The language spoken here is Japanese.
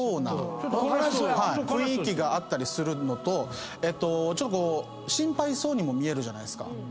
雰囲気があったりするのと心配そうにも見えるじゃない。